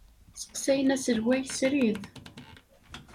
Sseqsayen aselway srid.